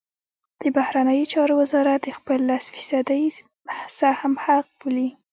د بهرنیو چارو وزارت د خپل لس فیصدۍ سهم حق بولي.